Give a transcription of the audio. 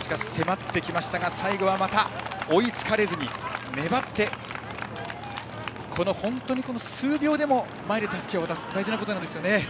しかし迫ってきましたが最後はまた追いつかれずに粘って、本当に数秒でも前でたすきを渡すのは大事なことなんですよね。